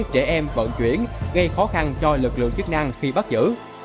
trẻ em vận chuyển gây khó khăn cho lực lượng chức năng khi bắt giữ